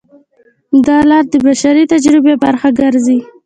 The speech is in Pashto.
دا لار د بشري تجربې برخه ګرځي.